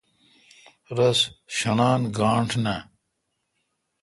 رس شݨان گانٹھ نہ۔